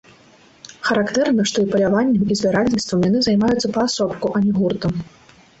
Характэрна, што і паляваннем, і збіральніцтвам яны займаюцца паасобку, а не гуртам.